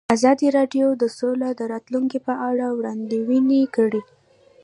ازادي راډیو د سوله د راتلونکې په اړه وړاندوینې کړې.